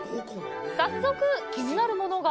早速、気になるものが。